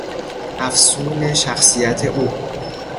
افسون شخصیت او